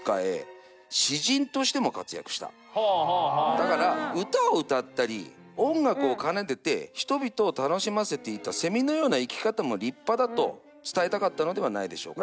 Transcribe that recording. だから歌を歌ったり音楽を奏でて人々を楽しませていたセミのような生き方も立派だと伝えたかったのではないでしょうか。